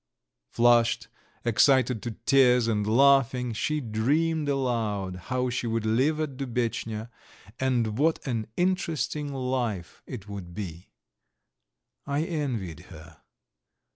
Flushed, excited to tears, and laughing, she dreamed aloud how she would live at Dubetchnya, and what an interesting life it would be! I envied her.